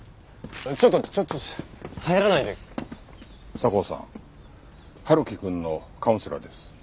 佐向さん春樹くんのカウンセラーです。